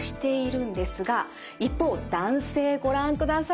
一方男性ご覧ください。